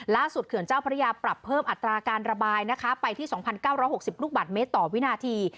เขื่อนเจ้าพระยาปรับเพิ่มอัตราการระบายนะคะไปที่๒๙๖๐ลูกบาทเมตรต่อวินาที